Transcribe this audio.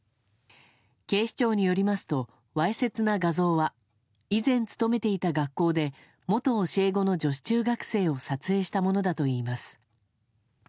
警視庁によりますとわいせつな画像は以前勤めていた学校で元教え子の女子中学生を撮影したものだといいます。